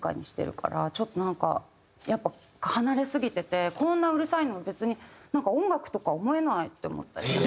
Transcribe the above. ちょっとなんか離れすぎててこんなうるさいの別になんか音楽とか思えないって思ったりして。